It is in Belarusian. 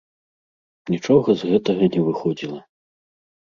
Нічога з гэтага не выходзіла.